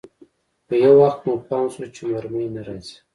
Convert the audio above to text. خو يو وخت مو پام سو چې مرمۍ نه راځي.